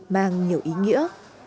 mang nhiều ý nghĩa